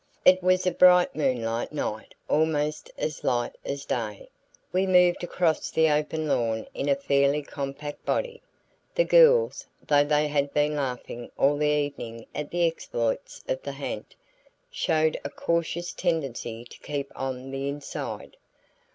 It was a bright moonlight night almost as light as day. We moved across the open lawn in a fairly compact body. The girls, though they had been laughing all the evening at the exploits of the ha'nt, showed a cautious tendency to keep on the inside.